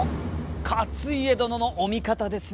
勝家殿のお味方ですねえ。